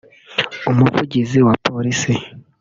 umuvugizi wa Polisi